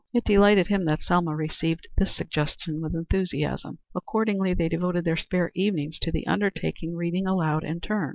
It delighted him that Selma received this suggestion with enthusiasm. Accordingly, they devoted their spare evenings to the undertaking, reading aloud in turn.